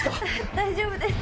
大丈夫です。